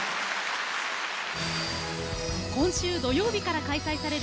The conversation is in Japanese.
今週土曜日から開催される